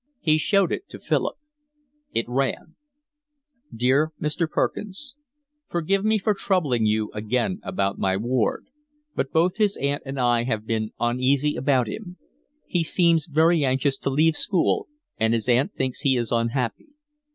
He showed it to Philip. It ran: Dear Mr. Perkins, Forgive me for troubling you again about my ward, but both his Aunt and I have been uneasy about him. He seems very anxious to leave school, and his Aunt thinks he is unhappy.